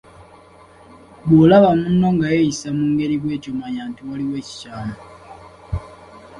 Bw'olaba munno nga yeeyisa mu ngeri bw’etyo mannya nti waliwo ekikyamu.